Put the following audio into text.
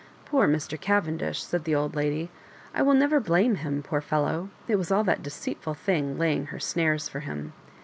"Poor Mr. Cavendish I" said the old lady. "I will never blame him, poor fellow. It was all that deceitful thing laying her snares for him.